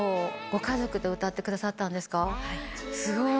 ご家族と歌ってくださったんはい。